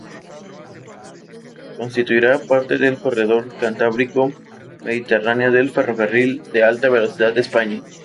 Constituirá parte del Corredor Cantábrico-Mediterráneo del ferrocarril de alta velocidad de España.